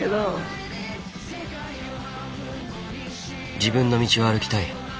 「自分の道を歩きたい」。